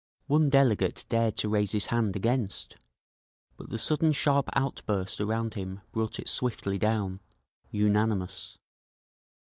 One delegate dared to raise his hand against, but the sudden sharp outburst around him brought it swiftly down…. Unanimous.